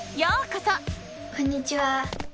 こんにちは。